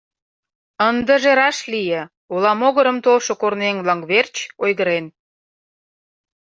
Ындыже раш лие: ола могырым толшо корныеҥ-влак верч ойгырен.